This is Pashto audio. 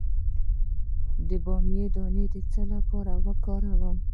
د بامیې دانه د څه لپاره وکاروم؟